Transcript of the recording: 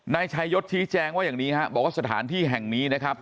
นายชายศชี้แจงว่าอย่างนี้ฮะบอกว่าสถานที่แห่งนี้นะครับ